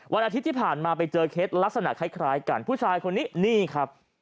วันอาทิตย์ที่ผ่านมาไปเจอเคสลักษณะคล้ายกันผู้ชายคนนี้นี่ครับ